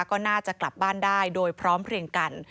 ก็น่าจะกลับบ้านได้โดยพร้อมเพลียงกัน